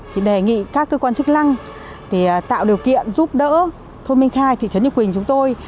thì đề nghị các cơ quan chức năng tạo điều kiện giúp đỡ thôn minh khai thị trấn nhục quỳnh chúng tôi